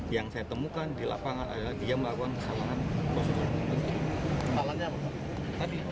yang saya temukan di lapangan adalah dia melakukan kesalahan prosedur